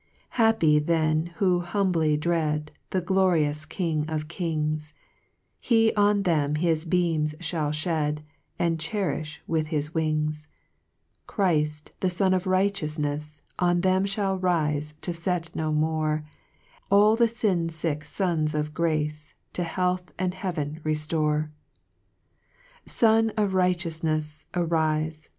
2 Happy they who humbly dread, The glorious King of Kings; He on them his beams fliall fhed, And cherifliwith his wings, Chnft, the Sun of Righteoufnefs, On them fliall rife to fet uo more, All the fin fick fons of grace, To health and hca.ven reftore. 3 Sun of Righteoufnefs, arjfe!